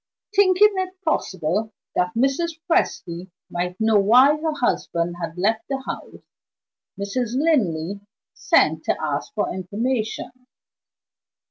Thinking it possible that Mrs. Presty might know why her husband had left the house, Mrs. Linley sent to ask for information.